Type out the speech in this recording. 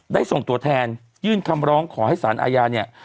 ส่งตัวแทนยื่นคำร้องขอให้สารอาญาเนี่ย